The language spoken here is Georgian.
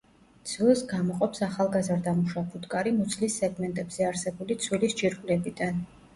ცვილს გამოყოფს ახალგაზრდა მუშა ფუტკარი მუცლის სეგმენტებზე არსებული ცვილის ჯირკვლებიდან.